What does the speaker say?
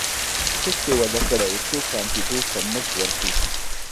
ټکس یې وضعه کړی و څو کاندیدوس ته مزد ورکړي